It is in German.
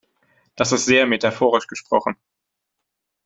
Das ist sehr metaphorisch gesprochen.